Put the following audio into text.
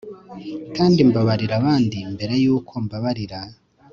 kandi mbabarira abandi mbere yuko mbabarira